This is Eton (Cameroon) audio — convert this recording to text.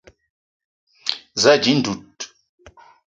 Za ànji dud